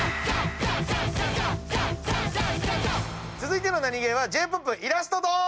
続いてのナニゲーはＪ−ＰＯＰイラストドン！